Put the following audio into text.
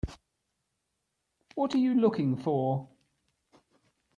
What are you looking for?